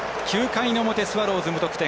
９回の表、スワローズ無得点。